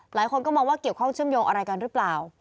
หลายคนก็มองว่าเกี่ยวข้องเชื่อมโยงอะไรกันหรือเปล่า